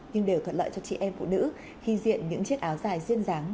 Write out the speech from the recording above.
nhưng đều thuận lợi cho chị em phụ nữ khi diện những chiếc áo dài riêng ráng